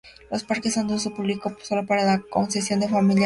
Los parques son de uso público solo por concesión de la Familia Real Británica.